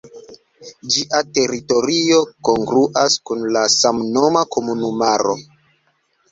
Ĝia teritorio kongruas kun la samnoma komunumaro.